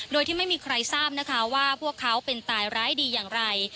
โดยที่ไม่มีใครทราบนะคะว่าพวกเขาเป็นตายร้ายดีอย่างไร